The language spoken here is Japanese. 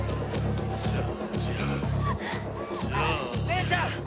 姉ちゃん！